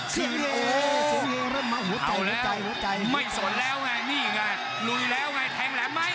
เสียงเยเริ่มมาหัวใจหัวใจหัวใจ